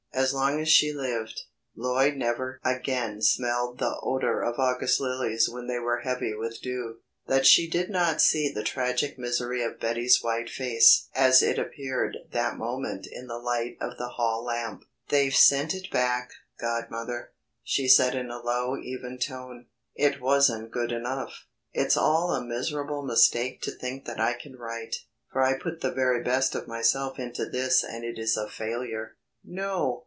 As long as she lived, Lloyd never again smelled the odour of August lilies when they were heavy with dew, that she did not see the tragic misery of Betty's white face as it appeared that moment in the light of the hall lamp. "They've sent it back, godmother," she said in a low even tone. "It wasn't good enough. It's all a miserable mistake to think that I can write, for I put the very best of myself into this and it is a failure." "No!